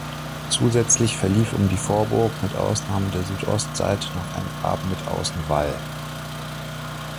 Zusätzlich verlief um die Vorburg, mit Ausnahme der Südostseite, noch ein Graben mit Außenwall.